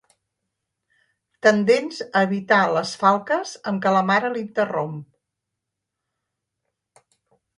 Tendents a evitar les falques amb què la mare l'interromp.